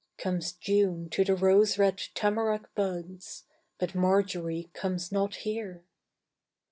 Comes June to the rose red tamarack buds, But Marjory comes not here.